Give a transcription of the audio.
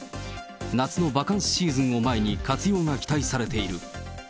夏のバカンスシーズンを前に活用が期待されている。